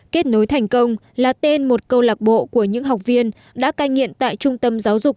kết nối thành công là tên một câu lạc bộ của những học viên đã cai nghiện tại trung tâm giáo dục